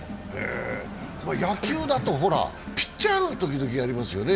野球だとほら、ピッチャーがときどきやりますよね。